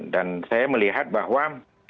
dan saya melihat bahwa